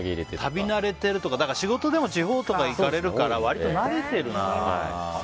旅慣れてるというか仕事でも地方とか行かれるから割と慣れてるんだ。